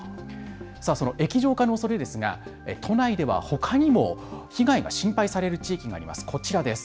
その液状化のおそれですが都内ではほかにも被害が心配される地域があります、こちらです。